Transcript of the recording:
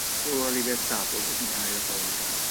Solo la libertà può dominare la paura.